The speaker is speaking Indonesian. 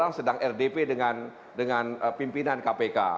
sekarang sedang rdp dengan pimpinan kpk